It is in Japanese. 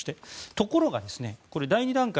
ところが、第２段階。